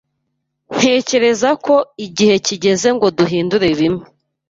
Ntekereza ko igihe kigeze ngo duhindure bimwe.